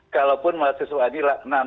kalaupun mahasiswa ini nanti tau